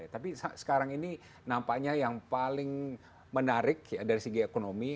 tapi sekarang ini nampaknya yang paling menarik dari segi ekonomi